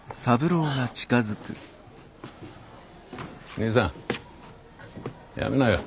にいさんやめなよ。